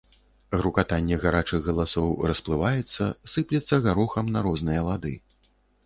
Грукатанне гарачых галасоў расплываецца, сыплецца гарохам на розныя лады.